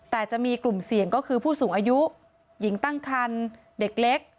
แต่จะมีกลุ่มเสี่ยงก็คือผู้สูงอายุหญิงตั้งคันเด็กเล็ก